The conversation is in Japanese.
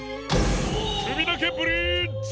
くびだけブリッジ！